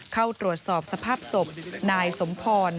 เข้าตรวจสอบสภาพศพนายสมพร